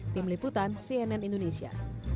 tim liputan cnn indonesia